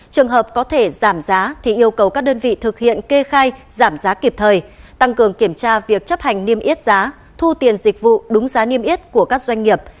trường hợp có thể giảm giá thì yêu cầu các đơn vị thực hiện kê khai giảm giá kịp thời tăng cường kiểm tra việc chấp hành niêm yết giá thu tiền dịch vụ đúng giá niêm yết của các doanh nghiệp